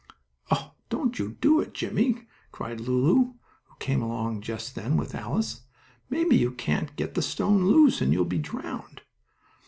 "Oh, don't you do it, Jimmie!" cried Lulu, who came along just then with Alice. "Maybe you can't get the stone loose, and you'll be drowned!"